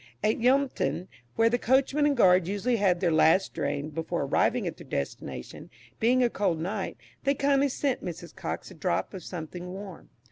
At Yealmpton, where the coachman and guard usually had their last drain before arriving at their destination, being a cold night, they kindly sent Mrs. Cox a drop of something warm.